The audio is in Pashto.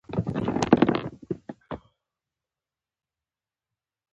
څوک وزرونه د وږمو چیري تړلای شي؟